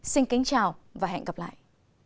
xin kính chào và hẹn gặp lại